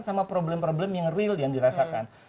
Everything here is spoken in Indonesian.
sama problem problem yang real yang dirasakan